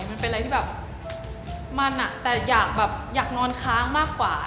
มันเป็นอะไรที่แบบมันอ่ะแต่อยากแบบอยากนอนค้างมากกว่า